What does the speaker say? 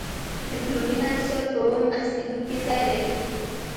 د کلورین عنصر په اووم اصلي ګروپ کې ځای لري.